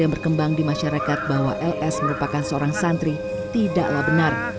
yang berkembang di masyarakat bahwa ls merupakan seorang santri tidaklah benar